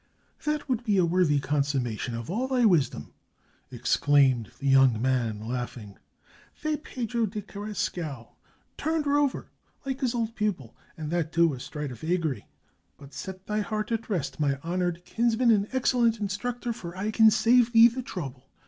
"That would be a worthy consummation of all thy wisdom!" exclaimed the young man, laughing. "Fray Pedro de Carrascal turned rover, like his old pupil, and that, too, astride a vagary! But set thy heart at rest, my honored kinsman and excellent instructor, for I can save thee the trouble.